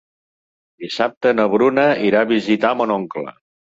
Dissabte na Bruna irà a visitar mon oncle.